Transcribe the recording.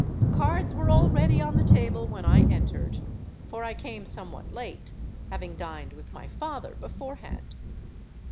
cards were already on the table when I entered, for I came somewhat late, having dined with my father before hand.